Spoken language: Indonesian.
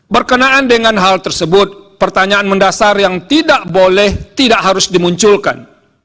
berkenaan dengan hal tersebut pertanyaan mendasar yang tidak boleh tidak harus dimunculkan